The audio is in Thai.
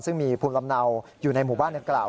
ซึ่งมีภูมิลำเนาอยู่ในหมู่บ้านดังกล่าว